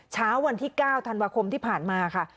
เช้าวันที่๙ธันวาคมที่ผ่านมาค่ะ